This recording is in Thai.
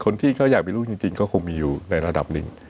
คนที่เขาอยากมีลูกจริงก็คงมีอยู่ในระดับหนึ่ง